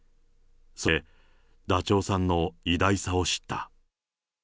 そして、ダチョウさんの偉大さを知った。